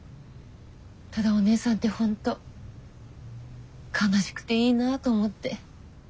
ただお姉さんって本当悲しくていいなぁと思って。